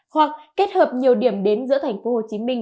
hoặc kết hợp nhiều điểm đến giữa thành phố hồ chí minh